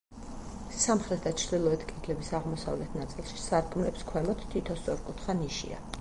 სამხრეთ და ჩრდილოეთ კედლების აღმოსავლეთ ნაწილში, სარკმლებს ქვემოთ, თითო სწორკუთხა ნიშია.